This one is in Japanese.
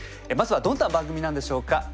まずはどんな番組なんでしょうか。